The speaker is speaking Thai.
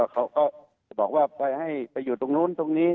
เขาก็จะบอกว่าไปให้ไปอยู่ตรงนู้นตรงนี้